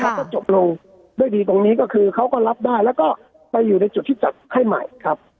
แล้วก็จบลงด้วยดีตรงนี้ก็คือเขาก็รับได้แล้วก็ไปอยู่ในจุดที่จัดให้ใหม่ครับ